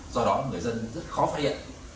do đó người dân rất khó phát hiện